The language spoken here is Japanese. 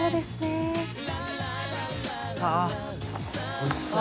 おいしそう。